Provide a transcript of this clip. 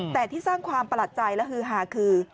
แต่ที่สร้างความประหลาดใจและฮือหาคือ